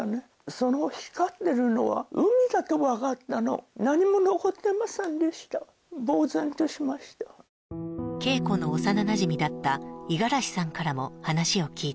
その光ってるのは海だと分かったの何も残ってませんでしたぼう然としました桂子の幼なじみだった五十嵐さんからも話を聞いた